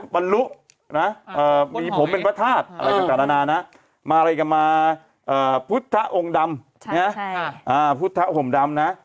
พุทธองค์ดำพุทธห่มดำ